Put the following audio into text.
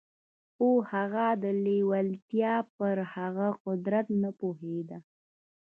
خو هغه د لېوالتیا پر هغه قدرت نه پوهېده.